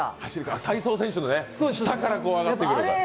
体操選手のね、下から上がってくる。